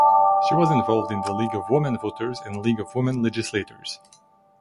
She was involved in the League of Women Voters and League of Women Legislators.